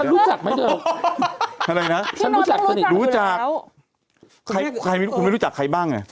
ฉันรู้จักไหมเถอะอะไรนะฉันรู้จักสนิทรู้จักคุณไม่รู้จักใครบ้างเนี้ย